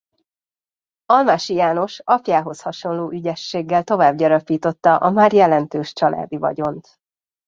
Almásy János apjához hasonló ügyességgel tovább gyarapította a már jelentős családi vagyont.